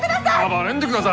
暴れんでください！